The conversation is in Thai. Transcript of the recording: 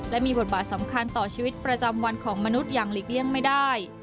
และมีบทบาทสำคัญต่อชีวิตประจำวันของมนุษย์อย่างหลีกเลี่ยงไม่ได้